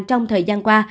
trong thời gian qua